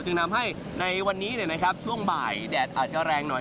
จึงทำให้ในวันนี้เนี่ยนะครับช่วงบ่ายแดดอาจจะแรงหน่อย